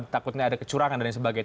takutnya ada kecurangan dan sebagainya